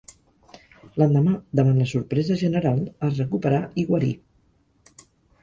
L'endemà, davant la sorpresa general, es recuperà i guarí.